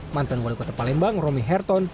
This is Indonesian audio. mantan wali kota palembang romi herton